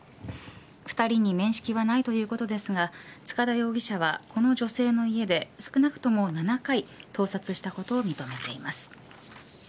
２人に面識はないということですが塚田容疑者はこの女性の家で少なくとも７回盗撮したことを認めています。